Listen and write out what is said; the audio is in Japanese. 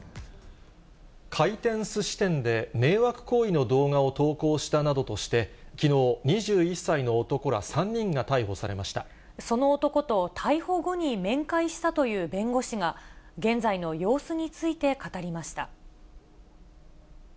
回転すし店で迷惑行為の動画を投稿したなどとして、きのう、２１歳の男ら３人が逮捕されましその男と、逮捕後に面会したという弁護士が、現在の様子について語りました。